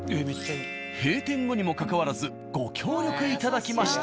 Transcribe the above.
閉店後にもかかわらずご協力いただきました。